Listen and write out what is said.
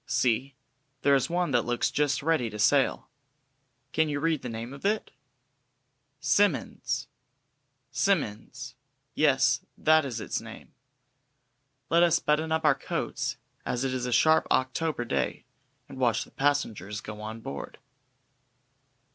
See, there is one that looks just ready to sail! Can you read the name of it? "S i m m o n d s" "Simmonds." Yes, that is its name. Let us button up our coats, as it is a sharp October day, and watch the passengers go on board.